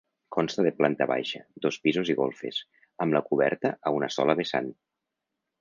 Consta de planta baixa, dos pisos i golfes, amb la coberta a una sola vessant.